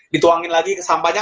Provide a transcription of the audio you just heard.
dituangin lagi ke sampahnya